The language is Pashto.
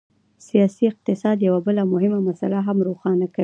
سیاسي اقتصاد یوه بله مهمه مسله هم روښانه کوي.